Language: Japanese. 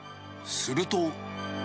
すると。